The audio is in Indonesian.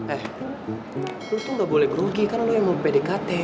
eh lo tuh ga boleh gerugi kan lo yang mau pdkt